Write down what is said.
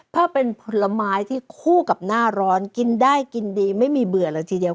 ถ้าเป็นผลไม้ที่คู่กับหน้าร้อนกินได้กินดีไม่มีเบื่อเลยทีเดียว